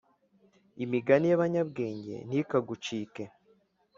imigani y’abanyabwenge ntikagucike